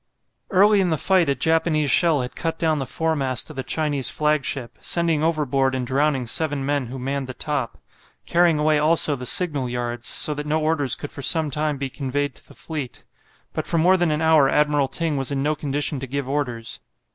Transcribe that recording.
Early in the fight a Japanese shell had cut down the foremast of the Chinese flagship, sending overboard and drowning seven men who manned the top carrying away also the signal yards, so that no orders could for some time be conveyed to the fleet. But for more than an hour Admiral Ting was in no condition to give orders.